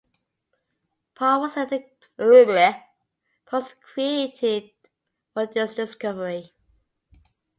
Paul was credited for this discovery.